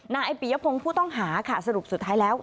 นายปียพงศ์ผู้ต้องหาค่ะสรุปสุดท้ายแล้ว